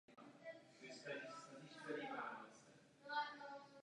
Postarejte se, aby vaše domácí těžkosti nezpomalily váš krok.